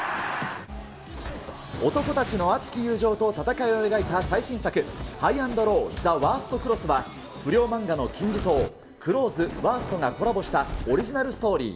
男たちの熱き友情と戦いを描いた最新作、ＨｉＧＨ＆ＬＯＷ・ザ・ワーストクロスは不良漫画の金字塔、クローズ、ＷＯＲＳＴがコラボしたオリジナルストーリー。